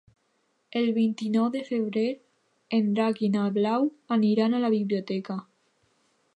El vint-i-nou de febrer en Drac i na Blau aniran a la biblioteca.